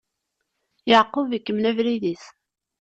Yeɛqub ikemmel abrid-is.